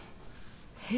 えっ？